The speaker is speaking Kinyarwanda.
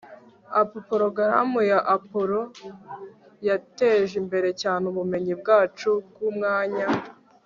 ap] porogaramu ya apollo yateje imbere cyane ubumenyi bwacu bwumwanya